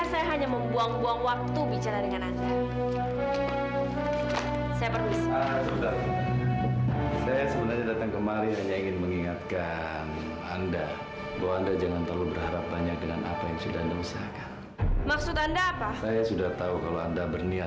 sampai jumpa di video selanjutnya